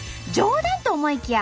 冗談と思いきや